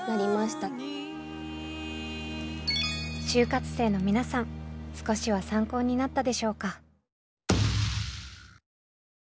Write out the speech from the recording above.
就活生の皆さん少しは参考になったでしょうか。